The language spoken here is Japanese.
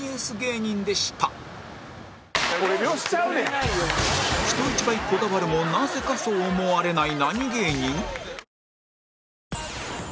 人一倍こだわるもなぜかそう思われない何芸人？